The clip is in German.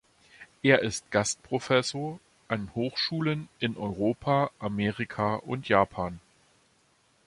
Er ist Gastprofessor an Hochschulen in Europa, Amerika und Japan.